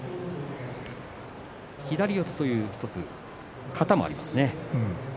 左四つという１つ型もありますね。